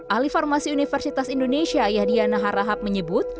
ahli farmasi universitas indonesia yahyana harahap menyebut